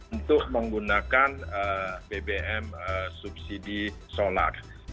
untuk menggunakan bbm subsidi solar